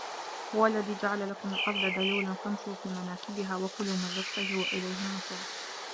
هُوَ الَّذي جَعَلَ لَكُمُ الأَرضَ ذَلولًا فَامشوا في مَناكِبِها وَكُلوا مِن رِزقِهِ وَإِلَيهِ النُّشورُ